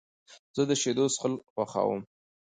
زه د شیدو څښل خوښوم.